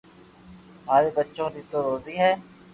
ماري ٻچو ري تو روزي ھي